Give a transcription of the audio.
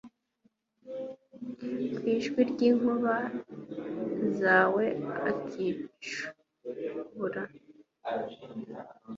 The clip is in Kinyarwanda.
ku ijwi ry’inkuba zawe akicubura